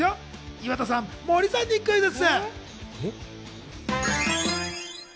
岩田さん、森さんにクイズッス！